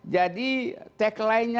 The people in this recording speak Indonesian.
jadi tag lainnya